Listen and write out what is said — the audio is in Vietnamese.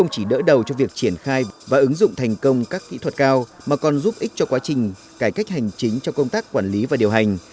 chỉ đỡ đầu cho việc triển khai và ứng dụng thành công các kỹ thuật cao mà còn giúp ích cho quá trình cải cách hành chính cho công tác quản lý và điều hành